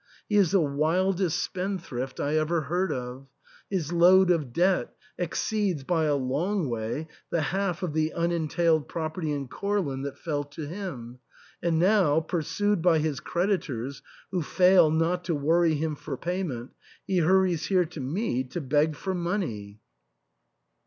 He is the wildest spendthrift I ever heard of. His load of debt exceeds by a long way the half of the unentailed property in Courland that fell to him, and now, pursued by his creditors, who fail not to worry him for payment, he hurries here to me to beg for money."